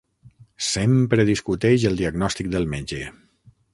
Sempre discuteix el diagnòstic del metge.